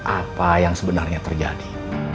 apa yang sebenarnya terjadi